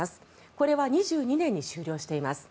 これは２２年に終了しています。